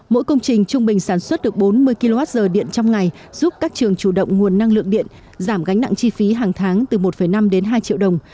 mỗi công trình trung bình sản xuất được bốn mươi kwh điện trong ngày giúp các trường chủ động nguồn năng lượng điện giảm gánh nặng chi phí hàng tháng từ một năm đến hai triệu đồng